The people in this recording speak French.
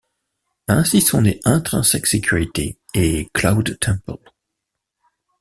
Ainsi sont nées Intrinsec Sécurité et Cloud Temple.